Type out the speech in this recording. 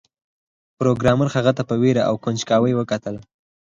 پروګرامر هغه ته په ویره او کنجکاوی وکتل